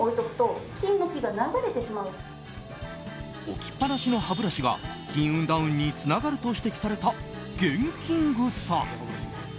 置きっぱなしの歯ブラシが金運ダウンにつながると指摘されたＧＥＮＫＩＮＧさん。